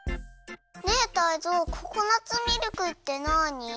ねえタイゾウココナツミルクってなに？